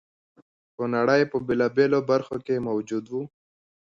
په نړۍ په بېلابېلو برخو کې موجود و